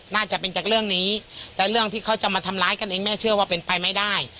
น่าจะเป็นจากเรื่องนี้แต่เรื่องที่เขาจะมาทำร้ายกันเองแม่เชื่อว่าเป็นไปไม่ได้